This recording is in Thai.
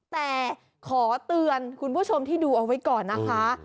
แต่ขอเตือนคุณผู้ชมที่ดูเอาไว้ก่อนนะคะ